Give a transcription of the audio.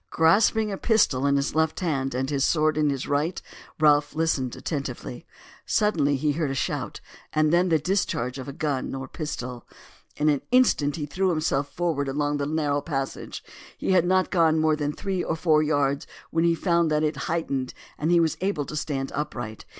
Grasping a pistol in his left hand, and his sword in his right, Ralph listened attentively. Suddenly he heard a shout, and then the discharge of a gun or a pistol. In an instant he threw himself forward along the low narrow passage. He had not gone more than three or four yards when he found that it heightened, and he was able to stand upright.